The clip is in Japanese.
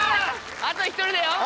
あと１人だよ！